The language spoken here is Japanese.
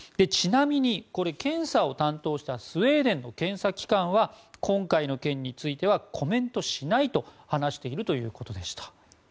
ちなみに、検査を担当したスウェーデンの検査機関は今回の件についてはコメントしないと話しているということでした。